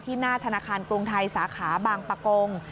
หน้าธนาคารกรุงไทยสาขาบางปะกง